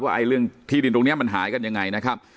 เรื่องที่ดินตรงนี้มันหายกันยังไงนะครับ